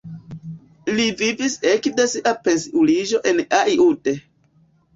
Li vivis ekde sia pensiuliĝo en Aiud.